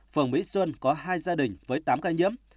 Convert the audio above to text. phường mỹ xuân có hai gia đình với tám ca nhiễm